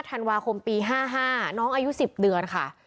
ธันวาคมปีห้าห้าน้องอายุสิบเดือนค่ะ